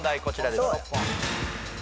こちらです